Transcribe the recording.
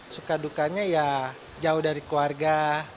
suka dukanya ya jauh dari keluarga